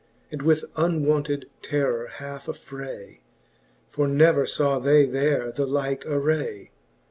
And with uncounted terror halfe aflfray ; For never faw they there the like array.